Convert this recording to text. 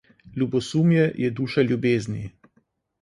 Ljubosumje je duša ljubezni.